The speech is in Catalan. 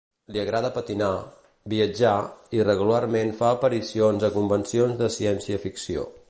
Li agrada patinar, viatjar i regularment fa aparicions a convencions de ciència-ficció.